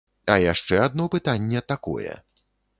А яшчэ адно пытанне такое.